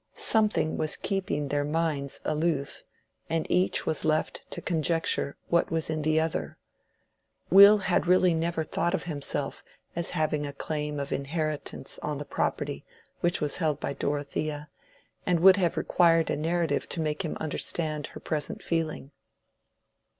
Something was keeping their minds aloof, and each was left to conjecture what was in the other. Will had really never thought of himself as having a claim of inheritance on the property which was held by Dorothea, and would have required a narrative to make him understand her present feeling.